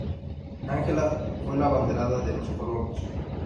Ángela fue la abanderada de los colonos.